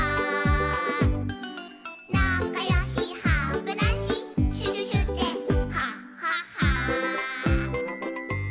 「なかよしハブラシシュシュシュでハハハ」